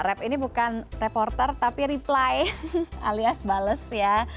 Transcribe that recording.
rap ini bukan reporter tapi reply alias bales ya